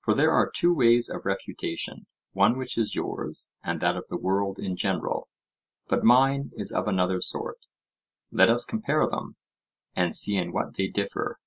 For there are two ways of refutation, one which is yours and that of the world in general; but mine is of another sort—let us compare them, and see in what they differ.